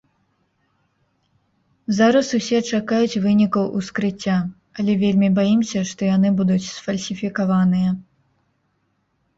Зараз усе чакаюць вынікаў ускрыцця, але вельмі баімся, што яны будуць сфальсіфікаваныя.